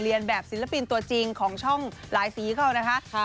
แบบศิลปินตัวจริงของช่องหลายสีเข้านะคะ